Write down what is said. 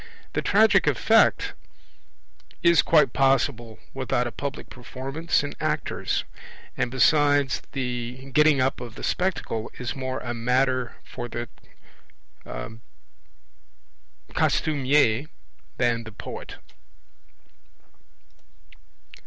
The tragic effect is quite possible without a public performance and actors; and besides, the getting up of the Spectacle is more a matter for the costumier than the poet.